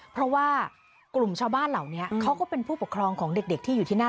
เพราะว่ากลุ่มชาวบ้านเหล่านี้เขาก็เป็นผู้ปกครองของเด็กที่อยู่ที่นั่น